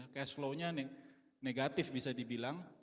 cash flow nya negatif bisa dibilang